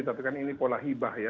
tapi kan ini pola hibah ya